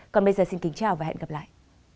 còn bây giờ xin kính chào và hẹn gặp lại